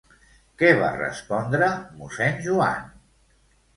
Què va respondre mossèn Joan?